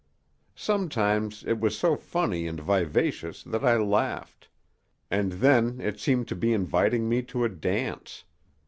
Sometimes it was so funny and vivacious that I laughed, and then it seemed to be inviting me to a dance.